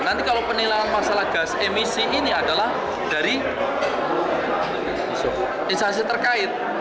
nanti kalau penilangan masalah gas emisi ini adalah dari instansi terkait